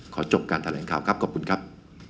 จบการแถลงข่าวครับขอบคุณครับ